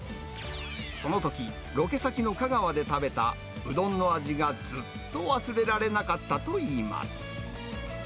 そのとき、ロケ先の香川で食べたうどんの味がずっと忘れられなかったといいます。